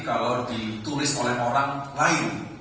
kalau ditulis oleh orang lain